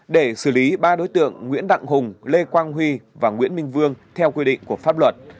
đó là một trong những vụ hồn sơ để xử lý ba đối tượng nguyễn đặng hùng lê quang huy và nguyễn minh vương theo quy định của pháp luật